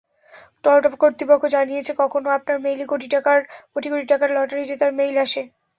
Toyota কর্তৃপক্ষ জানিয়েছে, কখনো আপনার মেইলে কোটি কোটি টাকার লটারি জেতার মেইল আসে।